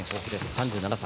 ３７歳。